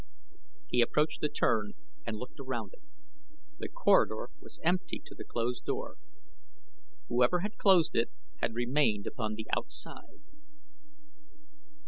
He approached the turn and looked around it; the corridor was empty to the closed door. Whoever had closed it had remained upon the outside.